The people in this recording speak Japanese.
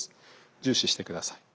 重視して下さい。